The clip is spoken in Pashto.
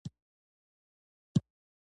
ابدالي اوس هم د سیکهانو سره په جګړو لګیا دی.